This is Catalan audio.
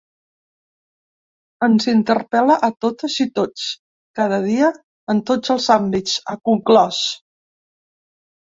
“Ens interpel·la a totes i tots, cada dia, en tots els àmbits”, ha conclòs.